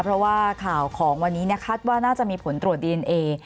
เพราะว่าข่าวของวันนี้คาดว่าน่าจะมีผลตรวจดีเอนเอ